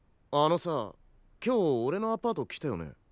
あのさ今日おれのアパート来たよね？